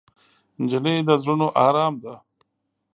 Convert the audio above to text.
نجلۍ د زړونو ارام ده.